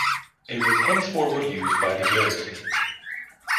It was henceforward used by the garrison.